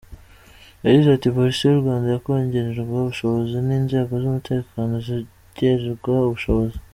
Yagize ati “Polisi y’ u Rwanda yakongererwa ubushobozi, n’ inzego z’ umutekano zikongererwa ubushobozi.